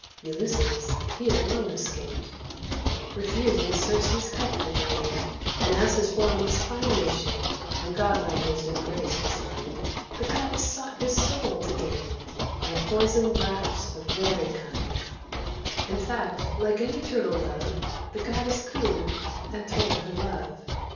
Ulysses, he alone escaped, Refusing Circe's cups to drain; And, as his form was finely shaped, And god like wisdom graced his mind, The goddess sought his soul to gain, By poisoned draughts of varied kind: In fact, like any turtle dove, The goddess cooed, and told her love.